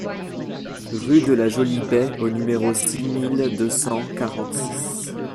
Rue de la Jolie Baie au numéro six mille deux cent quarante-six